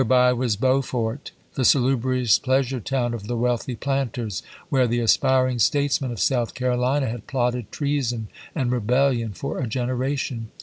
by was Beaufort, the salubrious pleasure town of the wealthy planters, where the aspiring statesmen of South Carolina had plotted treason and rebellion for a generation.